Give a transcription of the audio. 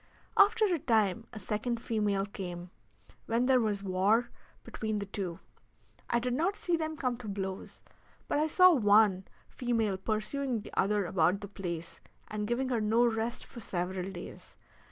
After a time a second female came, when there was war between the two. I did not see them come to blows, but I saw one female pursuing the other about the place, and giving her no rest for several days.